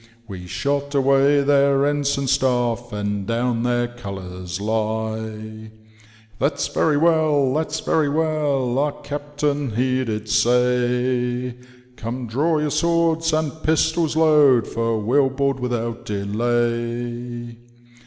We shot away their ensign staff, and down their colours lie :* That's very well I that's very well !* our captain he did say, * Come, draw your swords and pistols load, for we'll board without delay.'